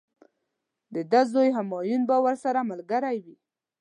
د ده زوی همایون به ورسره ملګری وي.